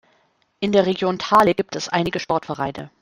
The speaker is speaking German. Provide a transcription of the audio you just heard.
In der Region Thale gibt es einige Sportvereine.